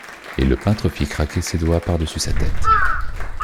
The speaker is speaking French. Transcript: Et le peintre fit craquer ses doigts par-dessus sa tête.